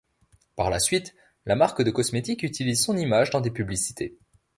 Par la suite, la marque de cosmétiques utilise son image dans des publicités.